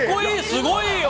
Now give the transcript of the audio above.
すごいよ！